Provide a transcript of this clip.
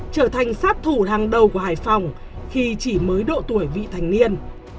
trở thành sát thủ hàng đầu của hải phòng khi chỉ mới độ tuổi vị thành niên